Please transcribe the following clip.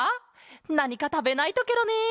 なにかたべないとケロね。